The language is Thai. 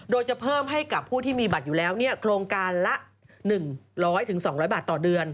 โดยจะเพิ่มให้กับผู้ที่มีบัตรอยู่แล้วโครงการละ๑๐๐๒๐๐บาทต่อเดือน